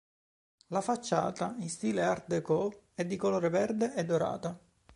La facciata, in stile art déco, è di color verde e dorata.